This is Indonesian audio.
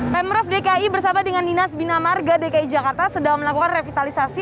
pemprov dki bersama dengan dinas bina marga dki jakarta sedang melakukan revitalisasi